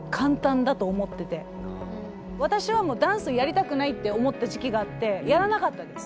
私はもうダンスをやりたくないって思った時期があってやらなかったです。